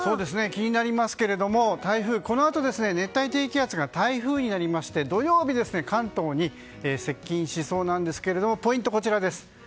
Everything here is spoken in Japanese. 気になりますけれどもこのあと熱帯低気圧が台風になりまして土曜日、関東に接近しそうなんですけどもポイント、こちらです。